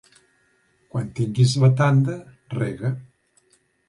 Quan tinguis la tanda, rega.